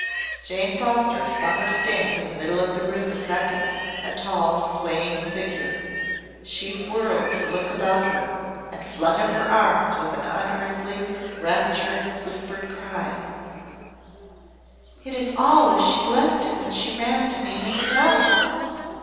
Jane Foster saw her stand in the middle of the room a second, a tall, swaying figure. She whirled to look about her and flung up her arms with an unearthly rapturous, whispered cry: "It is all as she left it when she ran to me and fell.